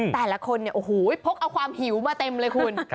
แต่ละคนพกเอาความหิวมาเต็มเลยคุณ